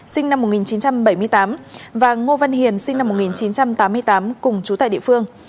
sinh năm một nghìn chín trăm bảy mươi tám và ngô văn hiền sinh năm một nghìn chín trăm tám mươi tám cùng chú tại địa phương